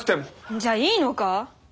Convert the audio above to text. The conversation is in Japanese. じゃあいいのか？